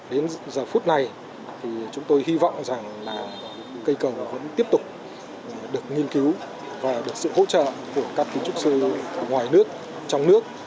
đến giờ phút này thì chúng tôi hy vọng rằng là cây cầu vẫn tiếp tục được nghiên cứu và được sự hỗ trợ của các kiến trúc sư ngoài nước trong nước